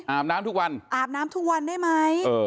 อาบน้ำทุกวันอาบน้ำทุกวันได้ไหม